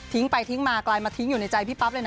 ไปทิ้งมากลายมาทิ้งอยู่ในใจพี่ปั๊บเลยนะ